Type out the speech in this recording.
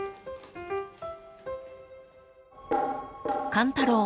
［勘太郎